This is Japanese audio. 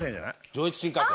上越新幹線。